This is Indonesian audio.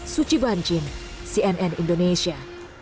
suci banjin cnn indonesia